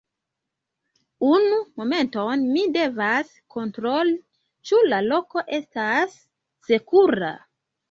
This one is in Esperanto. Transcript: Unu momenton mi devas kontroli ĉu la loko estas sekura.